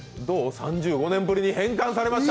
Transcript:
３５年ぶりに返還されました。